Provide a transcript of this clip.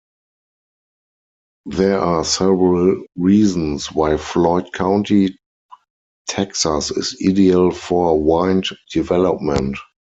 There are several reasons why Floyd County, Texas is ideal for wind development.